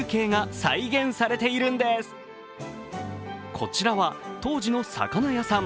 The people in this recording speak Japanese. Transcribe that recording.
こちらは当時の魚屋さん